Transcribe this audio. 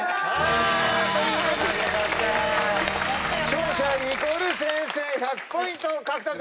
勝者ニコル先生１００ポイント獲得！